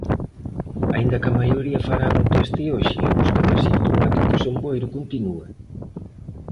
Aínda que a maioría farán o test hoxe, a busca de asitnomáticos en Boiro continúa.